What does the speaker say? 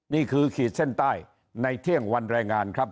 ขีดเส้นใต้ในเที่ยงวันแรงงานครับ